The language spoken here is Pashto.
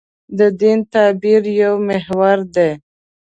د دین تعبیر یو محور دی.